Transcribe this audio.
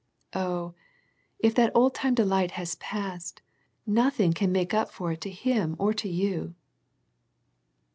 Oh, if that old time delight has passed, nothing can make up for it to Him or to you.